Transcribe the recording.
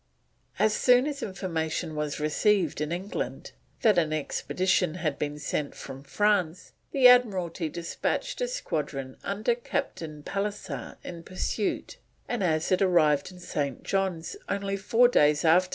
As soon as information was received in England that an expedition had been sent from France, the Admiralty despatched a squadron under Captain Pallisser in pursuit, and as it arrived in St. John's only four days after M.